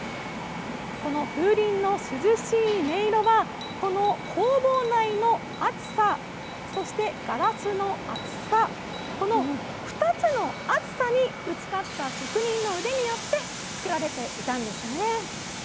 この風鈴の涼しい音色は、この工房内の暑さ、そしてガラスの厚さ、この２つのあつさに打ち勝った職人の腕によって作られていたんですね。